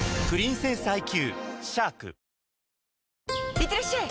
いってらっしゃい！